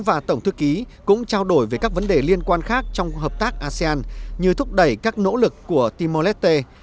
với các vấn đề liên quan khác trong hợp tác asean như thúc đẩy các nỗ lực của timor leste